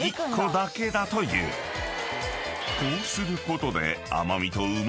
［こうすることで］